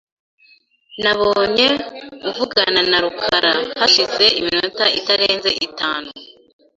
Nabonye uvugana na rukara hashize iminota itarenze itanu .